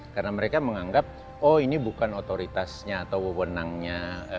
karena mereka menganggap oh ini bukan otoritasnya atau wenangnya